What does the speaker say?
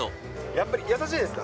やっぱり優しいですか？